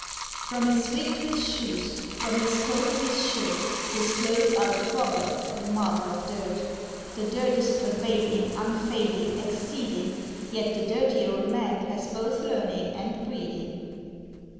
From his wig to his shoes, from his coat to his shirt, His clothes are a proverb, a marvel of dirt; The dirt is pervading, unfading, exceeding, Yet the Dirty Old Man has both learning and breeding.